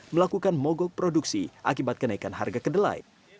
melakukan mogok produksi akibat kenaikan harga kedelai